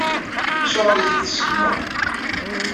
Acuɣer i iyi-t-id-tessken?